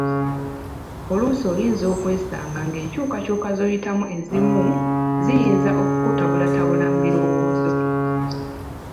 Oluusi oyinza okwesanga ng'enkyukakyuka zoyitamu ezimu ziyinza okukutabulatabula mu birowoozo.